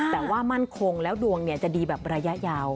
แต่ว่ามั่นคงแล้วดวงจะดีแบบระยะยาว